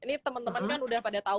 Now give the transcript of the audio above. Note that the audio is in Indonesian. ini temen temen kan udah pada tau